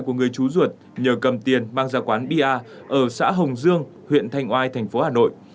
của người trú ruột nhờ cầm tiền mang ra quán bia ở xã hồng dương huyện thanh oai tp hà nội